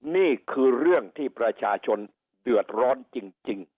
นี่คือเรื่องที่ประชาชนเดือดร้อนจริง